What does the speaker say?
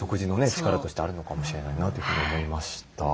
力としてあるのかもしれないなというふうに思いました。